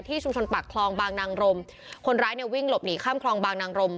ชุมชนปากคลองบางนางรมคนร้ายเนี่ยวิ่งหลบหนีข้ามคลองบางนางรม